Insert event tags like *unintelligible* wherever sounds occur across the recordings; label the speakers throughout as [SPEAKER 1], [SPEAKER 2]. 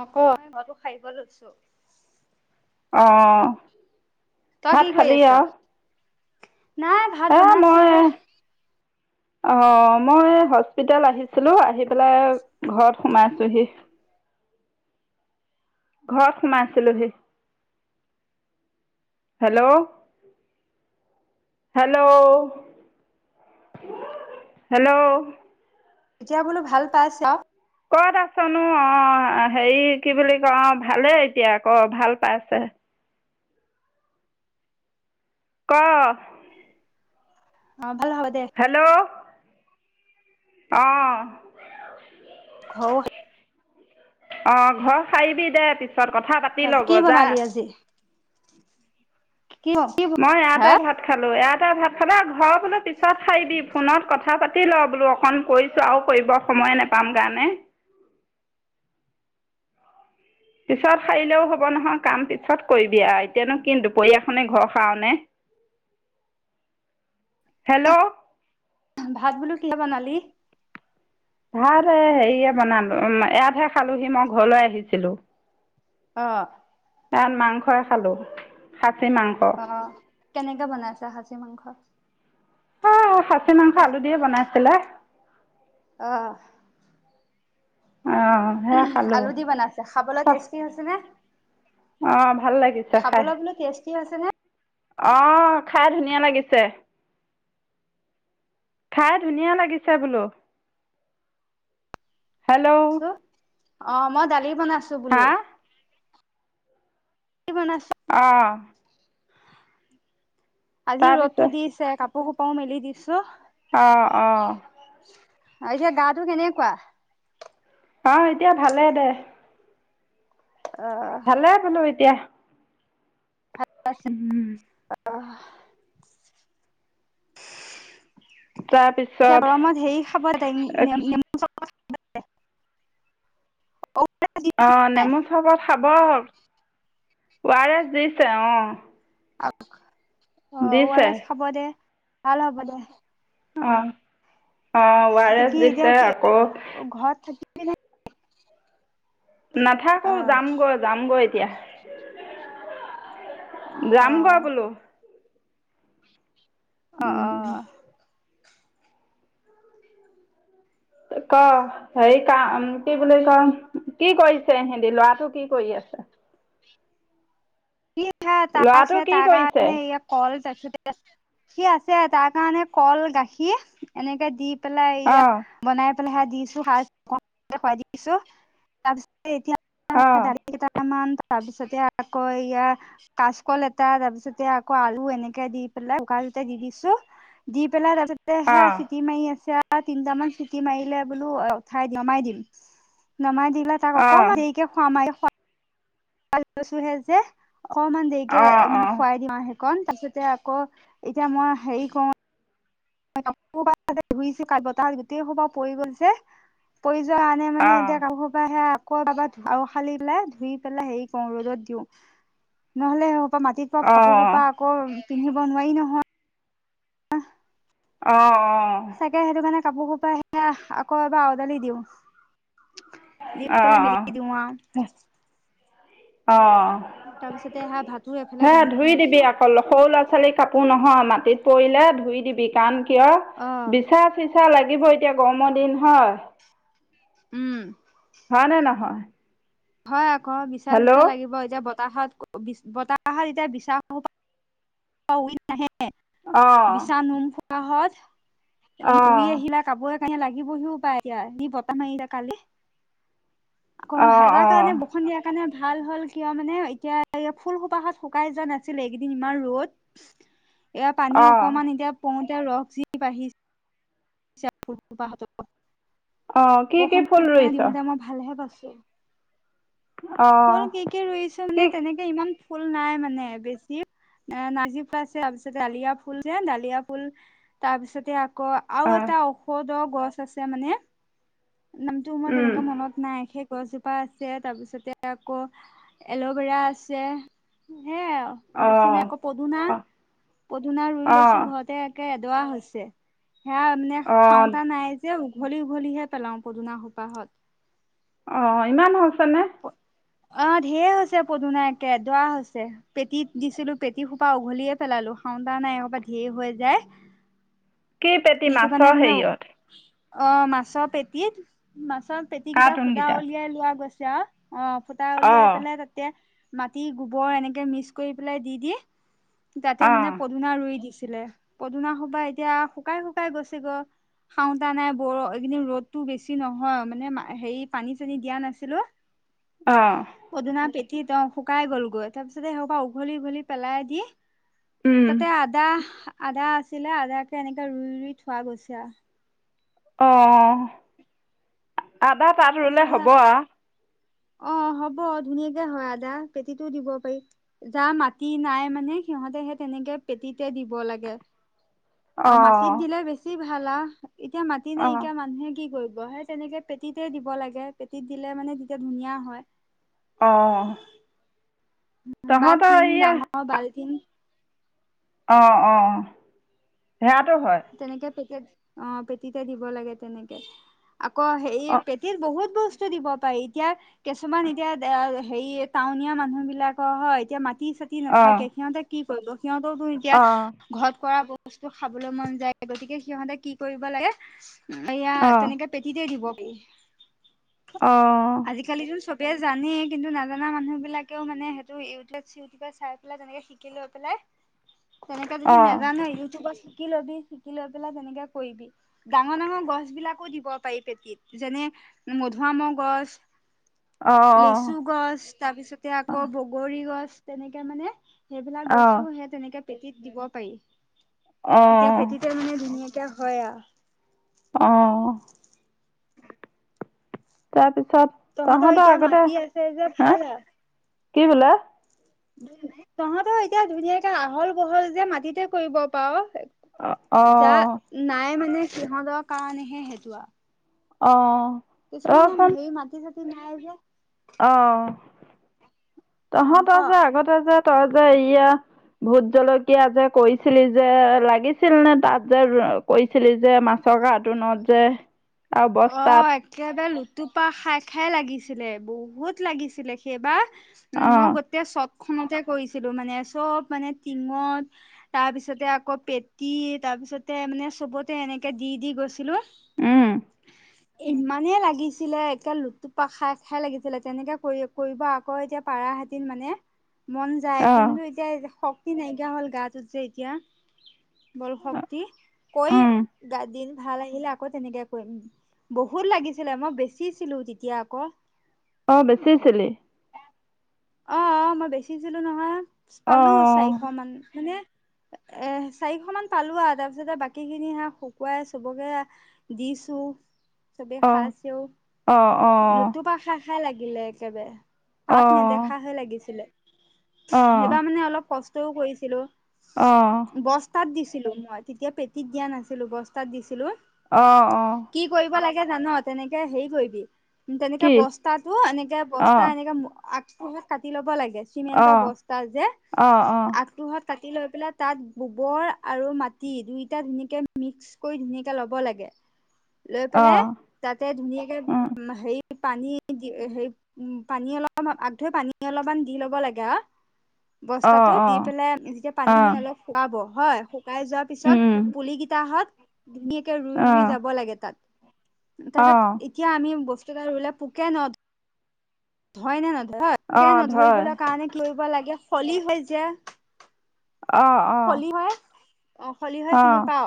[SPEAKER 1] অ' কত ঘৰটো সাৰিব লৈছো।
[SPEAKER 2] অ'।
[SPEAKER 1] তই
[SPEAKER 2] ভাত
[SPEAKER 1] কি কৰি
[SPEAKER 2] খালি
[SPEAKER 1] আছ
[SPEAKER 2] আহ
[SPEAKER 1] নাই ভাত বনাইছো হে।
[SPEAKER 2] অ' মই হস্পিতেল আহিছোঁ‌ ছিলো আহি পেলাই ঘৰত। সোমাই আছোঁহি। ঘৰত সোমাইছিলোহি হেল্ল' হেল্ল' হেল্ল'
[SPEAKER 1] এতিয়া বোলো ভাল পাই চা
[SPEAKER 2] ক'ত আছনো অ' হেৰি কি বুলি ক অ' ভালেই এতিয়া আক ভাল পাইছে। ক
[SPEAKER 1] অ'। ভাল হ'ব দে
[SPEAKER 2] হেল্ল' আহ
[SPEAKER 1] ঘ
[SPEAKER 2] অ' ঘৰ হাৰিবি দে পিছে। পিছত কথা পাতি
[SPEAKER 1] তাৰ
[SPEAKER 2] ল
[SPEAKER 1] কি
[SPEAKER 2] জা
[SPEAKER 1] বনালি আজি কি কি
[SPEAKER 2] মই
[SPEAKER 1] হা
[SPEAKER 2] এযাতে ভাত খালোঁ‌ এ ভাত খাবা ঘৰ বোলে পিছত হাৰিবি ফোনত কথা পাতি ল বোলো অকন কৰিছোঁ আৰু কৰিব সময়ে নোপাম কাৰণে পিছত সাৰিলেও হব নহয় কাম পিছত কৰিবি আৰু এতিয়ানো কিন্ত দুপৰীয়াখনে ঘৰ হাওনে হেল্ল'
[SPEAKER 1] ভাত বোলো কিহে বনালি
[SPEAKER 2] ভাত হেৰিয়ে বনালো উ ইয়াতহে খালোহি মই ঘৰলৈ আহিছিলো।
[SPEAKER 1] অ
[SPEAKER 2] তাত মাংসই খালো শাক খাছি মাংস
[SPEAKER 1] অ কেনেকে বনাইছো খাজি মাংস
[SPEAKER 2] অ খাচী মাংস আলু দিয়ে বনাইছিলে
[SPEAKER 1] আহ
[SPEAKER 2] অঁ সেয়া খালোঁ
[SPEAKER 1] আলু দি বনাইছে খাবলৈ বোলো টেষ্টি হৈছে নে
[SPEAKER 2] অঁ ভাল
[SPEAKER 1] টি হৈছে নে
[SPEAKER 2] আহ খাই ধুনীয়া লাগিছে খাই ধুনীয়া লাগিছে বোলো হেল্ল'
[SPEAKER 1] ছো অ মই দালি বনাইছো
[SPEAKER 2] হা
[SPEAKER 1] বোলো দালি বনাইছো
[SPEAKER 2] আহ
[SPEAKER 1] আজি ৰ'দো
[SPEAKER 2] তাৰপিছত
[SPEAKER 1] দিছে কাপোৰ পো হোঁপাওঁ মেলি দিছোঁ
[SPEAKER 2] আহ আহ
[SPEAKER 1] এতিয়া গাটো কেনেকুৱা
[SPEAKER 2] আহ এতিয়া ভালে দে ভালে বোলো এতিয়া উম
[SPEAKER 1] অঁহ এতিয়া
[SPEAKER 2] তাৰপিছত
[SPEAKER 1] গৰমত হেৰি খাব এ নেমু চচ *inaudible*
[SPEAKER 2] অঁ নেমু চৰবত খাব ঔ আৰ এচ দিছে অঁ
[SPEAKER 1] আঠ অঁ ঔ আৰ
[SPEAKER 2] দিছে
[SPEAKER 1] এছ খাব দে ভাল হব দে
[SPEAKER 2] অঁ অঁ ঔ আৰ এছ
[SPEAKER 1] কি এতিয়া
[SPEAKER 2] দিছে
[SPEAKER 1] কি
[SPEAKER 2] আকৌ
[SPEAKER 1] ঘৰত থাকিবি নে?
[SPEAKER 2] নাথাকো
[SPEAKER 1] অ'
[SPEAKER 2] যাম গৈ যামগৈ এতিয়া
[SPEAKER 1] অ'
[SPEAKER 2] যামগৈ বোলো
[SPEAKER 1] অঁ
[SPEAKER 2] উম
[SPEAKER 1] অঁ
[SPEAKER 2] ক হেৰি কাম কি বুলি কম কি কৰিছে সিদি লৰাটো কি কৰি আছে
[SPEAKER 1] *unintelligible*
[SPEAKER 2] ল'ৰাটো কি কৰিছে?
[SPEAKER 1] সি আছে তাৰ কাৰণে কল-গাখীৰ এনেকে দি, পেলাই এইয়া
[SPEAKER 2] অ',
[SPEAKER 1] বনাই, ফালহে দিছো খুৱাই দিছো তাৰপিছত,
[SPEAKER 2] অ',
[SPEAKER 1] *unintelligible* তাৰপিছতে আকৌ, এতিয়া কাঁচকল এটা, তাৰপিচতে আকৌ আলু এনেকে দি পেলাই কুকাৰতে দি দিছোঁ, দি পেলাই তাৰপাছতে সেয়া
[SPEAKER 2] অ',
[SPEAKER 1] চিটি মাৰি আছে আৰু, দুটা-তিনিটামান চিটি মাৰিলে বোলো উঠাই নমাই দিম-নমাই দিম তাক অকণমান
[SPEAKER 2] অ',
[SPEAKER 1] দেৰিকে খোৱাম, *unintelligible* অকমান দেৰিকে
[SPEAKER 2] অ',
[SPEAKER 1] মানে
[SPEAKER 2] অ',
[SPEAKER 1] খুৱাই দিম আহি, কন তাৰপিছতে আকৌ এতিয়া মই হেৰি কৰো, কাপোৰ সপা ধুইছো কালি বতাহত গোটেই সোপা পৰি গল যে পৰি যোৱা আনে
[SPEAKER 2] অ',
[SPEAKER 1] মানে এতিয়া কাপোৰ সপা সেয়া, *unintelligible* অহ মাটিত
[SPEAKER 2] অ', অ', অ',
[SPEAKER 1] পৰা কাপোৰ
[SPEAKER 2] অ',
[SPEAKER 1] হোপা আকৌ, পিন্ধিব নোৱাৰি নহয়।
[SPEAKER 2] অ', -অ',
[SPEAKER 1] চাগে সেইটো কাৰণে, কাপোৰ সোপা আকৌ এবাৰ আওডালি দিওঁ।
[SPEAKER 2] অ',
[SPEAKER 1] *inaudible*
[SPEAKER 2] অ',
[SPEAKER 1] তাৰপিছতে সেয়া ভাতো এইফালে
[SPEAKER 2] হে',
[SPEAKER 1] বনাই
[SPEAKER 2] ধুই
[SPEAKER 1] আছো
[SPEAKER 2] দিবি আকৌ সৰু ল'ৰা-ছোৱালীৰ কাপোৰ নহয়, ন', মাটিত পৰিলে ধুই দিবি কাৰণ কিয়
[SPEAKER 1] অ'
[SPEAKER 2] বিচাৰ চি, ইচ্ছা লাগিব এতিয়া গৰমৰ দিন হয়।
[SPEAKER 1] উম',
[SPEAKER 2] হয়', নে', নহয়? *inaudible*
[SPEAKER 1] হয়',
[SPEAKER 2] হেল্ল'
[SPEAKER 1] বিছা-চিচা
[SPEAKER 2] অ',
[SPEAKER 1] লাগিব এতিয়া বত, বতাহত-বতাহত এতিয়া বিছাঁ সমূহ উৰি নাহে।
[SPEAKER 2] অ',
[SPEAKER 1] বিছা-ণুম কাহত, উৰি
[SPEAKER 2] অ',
[SPEAKER 1] আহিলা কাপোৰত লাগিবহিয়ো পায় এতিয়া যি বতাহ মাৰিলে কালি আকৌ
[SPEAKER 2] অ',
[SPEAKER 1] এটাক কাৰণে বৰষুণ দিয়া কাৰণে ভাল হ'ল কিয় মানে এতিয়া ফুল সোপাহত শুকাই যোৱা নাছিলে এইকেইদিন ইমান ৰদ এয়া পানী
[SPEAKER 2] অ',
[SPEAKER 1] অকমান এতিয়া প এয়া ৰস যি বাঢ়িছে ফুলপাহতো
[SPEAKER 2] অ', কি কি
[SPEAKER 1] বৰষুণ
[SPEAKER 2] ফুল
[SPEAKER 1] জাক
[SPEAKER 2] ৰুইছ?
[SPEAKER 1] দিওঁতে মই ভালেহে পাইছো এ ফুল
[SPEAKER 2] অ',
[SPEAKER 1] কি কি ৰুইছো
[SPEAKER 2] কি
[SPEAKER 1] মানে তেনেকে ইমান ফুল নাই মানে বেছি নাৰ্জি আছে তাৰপিছত ডালিয়া ফুল যে ডালিয়া ফুল তাৰপিছতে ক আৰু
[SPEAKER 2] অ',
[SPEAKER 1] এটা ঔষধৰ গছ আছে মানে নামটো মই তেনেকে
[SPEAKER 2] উম।
[SPEAKER 1] মনত নাই শেষ গছজোপা আছে তাৰপিছতে আকৌ এলৌ'ভেৰা আছে সেইয়া বেছি নাই
[SPEAKER 2] অঁ
[SPEAKER 1] আকৌ পদুনা
[SPEAKER 2] অঁ
[SPEAKER 1] পদুনা ৰুই লৈছো
[SPEAKER 2] অঁ
[SPEAKER 1] ঘৰতে এই এদুৱা হৈছে সেয়া মানে
[SPEAKER 2] অঁ
[SPEAKER 1] খাওঁতা নাই যে ওভলি ওভলি হেত পেলাওঁ পদুনা সোপাহত
[SPEAKER 2] অ ইমান তেনে
[SPEAKER 1] অ ধেৰ হৈছে পদুনা অ কে এডৰা হৈছে পেটী দিছিলো পেটী সোপা উঘালিয়ে পেলালো খাওঁতা নাই এইসোপা ধেৰ হৈ যায়
[SPEAKER 2] কি পেটি
[SPEAKER 1] সেইটো কাৰণে
[SPEAKER 2] মাছৰ
[SPEAKER 1] মানে
[SPEAKER 2] হেৰিয়ত
[SPEAKER 1] অ মাছৰ পেটিত মাছ প পেটী কেইটা ফুটা
[SPEAKER 2] কাৰ্টুনকেইটাত
[SPEAKER 1] উলিয়াই লোৱা গৈছে চা *unintelligible* অ ফুটা উলিয়াই
[SPEAKER 2] অঁ
[SPEAKER 1] পেলাই তাতে মাটি গোবৰ এনেকে মিক্স কৰি পেলাই দি দি তাতে মানে
[SPEAKER 2] অঁ
[SPEAKER 1] পদুনা ৰুই দিছে পদুনা সোপা এতিয়া শুকাই শুকাই গৈছে গৈ খাওঁতা নাই বৰ এইকেইদিন ৰ'দতো বেছি নহয় মানে হেৰি পানী চানী দিয়া নাছিলো
[SPEAKER 2] অঁ
[SPEAKER 1] পদুনাতে মাটিত শুকাই গলগৈ তাৰপিছতে সেইসোপা উঘালি উঘালি পেলাই দি তাতে আদা। আদা আছিলে আদাকে এনেকে ৰুই ৰুই থোৱা গৈছে আৰু।
[SPEAKER 2] অ, অ। আদা তাত ৰুলে
[SPEAKER 1] তাৰপিছতে
[SPEAKER 2] হ'ব অ।
[SPEAKER 1] অ হ'ব ধুনীয়াকে হয়। আদা পেটীতো‌ দিব পাৰি। যাৰ মাটি নাই মানে সিহঁতে সে তেনেকে পেটীতে দিব লাগে। অ মাটিত
[SPEAKER 2] অঁ
[SPEAKER 1] দিলে বেছি। ভাল আৰু। এতিয়া মাটি
[SPEAKER 2] অঁ
[SPEAKER 1] নাইকিয়া মানুহে কি কৰিব। গৈ হে তেনেকে পেটিত। তাতে দিব লাগে পেটিত দিলে মানে তেতিয়া ধুনীয়া হয়।
[SPEAKER 2] অ, অ।
[SPEAKER 1] বা টিং ডাঙৰ বালটিং।
[SPEAKER 2] অ অ।
[SPEAKER 1] তেনেকে পেকেট। অ পেটিতে দিব লাগে তেনেকে।। আকৌ হেৰি
[SPEAKER 2] অঁ
[SPEAKER 1] পেটীৰ বহুত বস্তু। বস্তু দিব পাৰি। এতিয়া কিছুমান এতিয়া হেৰি টাউনীয়া মানুহ বিলাকৰ হয়, এতিয়া মাটি। মাটি চাটি
[SPEAKER 2] অঁ
[SPEAKER 1] নথাকে সিহঁতে কি। *inaudible* পদ্য। *inaudible* সিহঁতেওতো এতিয়া
[SPEAKER 2] অঁ
[SPEAKER 1] ঘৰত কৰাব। বস্তু খাবলে মন। যায় গতিকে সিহঁতে কি কৰিব লাগে। এয়া তেনেকে পেটিতে দিব। ইহ। *inaudible*
[SPEAKER 2] অ, অ।
[SPEAKER 1] এ জানেই কিন্তু নাজানা মানুহ বিলাকেওঁ মানে সেইটো ইউটিউব চিইউটিউবত চাই পেলাই তেনেকে শিকিলৈ পেলাই তেনেকা যদি
[SPEAKER 2] অঁ
[SPEAKER 1] নাজানে ইউটিউবত কি লবি। শিকিলৈ পেলাই তেনেকে কৰিবি ডাঙৰ ডাঙৰ গছ বিলাকো দিব পাৰি পেটিত যেনে মধুআমৰ গছ।
[SPEAKER 2] অঁ
[SPEAKER 1] লেচু গছ তাৰপিছতে আকৌ বগৰী গছ।। তেনেকে মানে। *inaudible* সেইবিলাক গছ ও সে তেনেকে। *inaudible* পেটিত দিব পাৰি। *inaudible*
[SPEAKER 2] অ,
[SPEAKER 1] তেতিয়া
[SPEAKER 2] অ।
[SPEAKER 1] পেটিতে মানে ধুনীয়া ক হয়য়া
[SPEAKER 2] আহ তাৰ পিছ
[SPEAKER 1] তহঁতৰ এতিয়া মাতি আছে যে
[SPEAKER 2] হা
[SPEAKER 1] ভাল আৰু
[SPEAKER 2] কি বোলে
[SPEAKER 1] তহঁতৰ এতিয়া ধুনীয়াকে আহল বহল যে মাটিতে কৰিব পাৰ
[SPEAKER 2] অ
[SPEAKER 1] যা নাই মানে সিহঁতৰ কাৰণেহে সেইটো আও
[SPEAKER 2] অ
[SPEAKER 1] কিছুমানে সেই মাটি থাকে তু ন আ যে
[SPEAKER 2] আহ
[SPEAKER 1] অ ক।
[SPEAKER 2] তহঁতক যে আগতে যে তই যে ইয়া ভোত জলকীয়া যে কৈৰিছিলি যে লাগিছিল নে তাত যে কৰিছিলি যে মাছৰ কাৰ্টুনত যে আৰু
[SPEAKER 1] অহ
[SPEAKER 2] বস্তাত
[SPEAKER 1] একে বাই লোক টোপা খাই খাই লাগিছিলে বহুত লাগিছিলে সেইবাৰ উম
[SPEAKER 2] অ
[SPEAKER 1] ন গতে চব খনতে কৰিছিলোঁ মানে চব মানে টিঙত তাৰপিছতে আকৌ পেটি তাৰপিছতে মানে চবতে এনেকৈ দি দি গৈছিলোঁ
[SPEAKER 2] উম
[SPEAKER 1] ইমানেই লাগিছিলে একে লুটুপা খাই খাই লাগিছিলে তেনেকে কৰি কৰিব আকৌ এতিয়া পাৰাহতি মানে মন যায়
[SPEAKER 2] অ
[SPEAKER 1] কিন্তু এতিয়া এই যে শক তি নাইকিয়া হ'ল গাটোত যে এতিয়া বল শক্তি কৰিম
[SPEAKER 2] উম
[SPEAKER 1] গা দিন ভাল আহিলে আকৌ তেনেকে বহুত লাগিছিলে মই বেচিছিলো তেতিয়া আকৌ
[SPEAKER 2] অ বেচিছিলি
[SPEAKER 1] অ অ মই বেচিছিলো নহয়
[SPEAKER 2] অ
[SPEAKER 1] পালো চাৰিশ মান মানে এ চাৰিশ মান পালো আৰু তাৰ পিছতে বাকী খিনি হাঁহ শুকুৱাই চবকে দিছো চবে
[SPEAKER 2] অ
[SPEAKER 1] খাঁইচেও
[SPEAKER 2] অ অ
[SPEAKER 1] লুতুপা খাঁ খাই লাগিলে একেবাৰে
[SPEAKER 2] অ
[SPEAKER 1] তাত নেদেখাহে লাগিছিলে
[SPEAKER 2] অ
[SPEAKER 1] সেইবাৰ মানে অলপ কষ্ট তও কৰিছিলো
[SPEAKER 2] অ
[SPEAKER 1] বস্তাত দিছ ছিলো মই তেতিয়া পেটীত দিয়া নাছিলো বস্তাত দিছিলো
[SPEAKER 2] অহঁ অঁ
[SPEAKER 1] তে জান তেনেকে হেৰি কৰিবি তেনেকে
[SPEAKER 2] কি
[SPEAKER 1] বস্তা এনেকে বস্তা
[SPEAKER 2] অ',
[SPEAKER 1] এনেকে কত কাটি ল'ব লাগে চিমেন্টৰ
[SPEAKER 2] অ',
[SPEAKER 1] বস্তা যে
[SPEAKER 2] অ', অ',
[SPEAKER 1] আগহত কাটি লৈ পেলাই তাত গোবৰ আৰু মাটি দুইটা ধুনীয়াকে মিক্স কৰি ধুনাকে ল'ব লাগে লৈ পেলাই
[SPEAKER 2] অ',
[SPEAKER 1] তাতে ধুনীয়াকে
[SPEAKER 2] উম,
[SPEAKER 1] উ হেৰি পানী দি হে পানী অলপ আগ ধৰি পানী অলপমান দি ল'ব লাগে অ
[SPEAKER 2] অ',
[SPEAKER 1] বস্তাটো দি
[SPEAKER 2] অ',
[SPEAKER 1] পেলাই যেতিয়া পানী নি
[SPEAKER 2] অ',
[SPEAKER 1] অলপ শুকুৱাব হয় শুকাই যোৱাৰ পিছত
[SPEAKER 2] উম,
[SPEAKER 1] পুলিকেইটাত ধুনীয়াকে ৰুই ৰুই
[SPEAKER 2] অ',
[SPEAKER 1] যাব *unintelligible* তাৰ পিছত
[SPEAKER 2] অ',
[SPEAKER 1] এতিয়া আমি বস্ত বোলে পোকে ন হয় নে নহ হয় একে
[SPEAKER 2] অ',
[SPEAKER 1] নধৰিবলৈ
[SPEAKER 2] ধয়,
[SPEAKER 1] কাৰণে লৈ লাগে হলি হৈ যে
[SPEAKER 2] অহ অহ
[SPEAKER 1] খলি হয় অ খলিহ চিনি পাও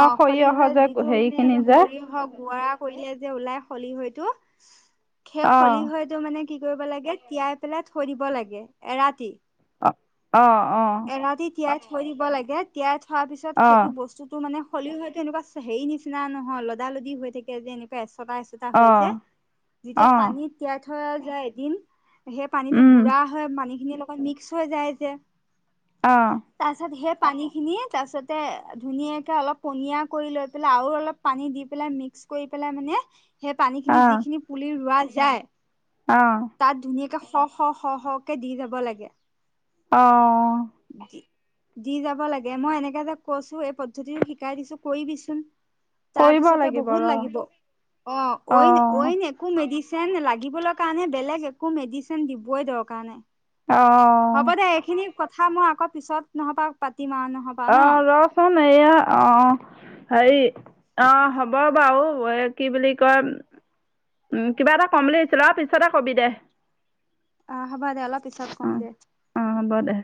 [SPEAKER 1] অ অ খলি
[SPEAKER 2] সৰিয়হৰ
[SPEAKER 1] হৈ
[SPEAKER 2] যে
[SPEAKER 1] যিটো মানে
[SPEAKER 2] হেৰিখিনি যে,
[SPEAKER 1] সৰিয় হওক গুৰা কৰিলে যে ওলাই খলি হয়তটো
[SPEAKER 2] অ',
[SPEAKER 1] খলিহ টো হয়তো মানে কি কৰিব লাগে তিয়াই পেলাই থৈ দিব লাগে এৰাতি
[SPEAKER 2] অ অ অ
[SPEAKER 1] এৰাতি তিয়াই থৈ দিব লাগে তিয়াই থোৱাৰ পিছত
[SPEAKER 2] অ',
[SPEAKER 1] সেইটো বস্তুটো মানে হলিও হয়তো এনেকুৱা হেৰি নিচিনা নহয় লদালদি হৈ থাকে যে এনেকুৱা হয়
[SPEAKER 2] অ',
[SPEAKER 1] যেতিয়া
[SPEAKER 2] অ',
[SPEAKER 1] পানী তিয়া থোৱা যায় এদিন সেই পানীতটো
[SPEAKER 2] উম,
[SPEAKER 1] গুৰা হয় মানী লগত মিক্স হৈ যায় যে
[SPEAKER 2] অ',
[SPEAKER 1] তাৰপিছত স পানী খিনি তাৰ পাছতে ধুনীয়াকে অলপ পনীয়া কৰি লৈ পেলাই আৰু অলপ পানী দি পেলাই মিক্স কৰি পেলাই মানে। সেই পানী খিনি
[SPEAKER 2] অ',
[SPEAKER 1] যিখিনি পুলি ৰোৱা। যাই।
[SPEAKER 2] অ',
[SPEAKER 1] তাত ধুনীয়াকে। শ শ শ শকে দি যাব লাগে।
[SPEAKER 2] অ।
[SPEAKER 1] দি যাব লাগে মই এনেকে যে কৈছো এই পদ্ধতিটো শিকাই দিছো কৰিবিচোন।
[SPEAKER 2] কৰিব
[SPEAKER 1] তাৰপিছতে বহুত
[SPEAKER 2] ৰ',
[SPEAKER 1] লাগিব অ অইন
[SPEAKER 2] অ',
[SPEAKER 1] অইন একো মেডিচিন। চেন লাগিবলৈ কাৰণে বেলেগ একো মেডিচিন দিব দৰকাৰ নাই।
[SPEAKER 2] আহ।
[SPEAKER 1] হ'ব দে এইখিনি কথা মই আকৌ পিছত নহব পা।
[SPEAKER 2] আহ ৰচোন এইয়া অ। হেৰি অ হ'ব বাৰু এই কি বুলি কয় উম কিবা এটা কম বুলি ভাবিছিলো আৰু পিছতে কবি দে।
[SPEAKER 1] আহ হ'বা দে অলপ পিছত কম
[SPEAKER 2] অ'
[SPEAKER 1] দে।
[SPEAKER 2] অ' হ'ব দে